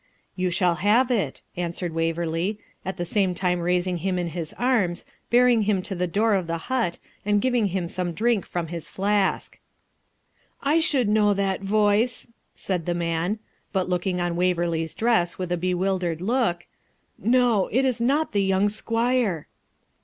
'You shall have it,' answered Waverley, at the same time raising him in his arms, bearing him to the door of the hut, and giving him some drink from his flask. 'I should know that voice,' said the man; but looking on Waverley's dress with a bewildered look 'no, this is not the young squire!'